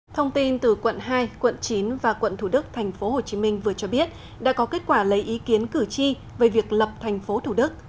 thông tin từ quận hai quận chín và quận thủ đức tp hcm vừa cho biết đã có kết quả lấy ý kiến cử tri về việc lập tp thủ đức